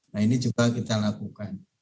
nah ini juga kita lakukan